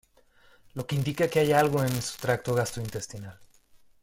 lo que indica que hay algo en su tracto gastrointestinal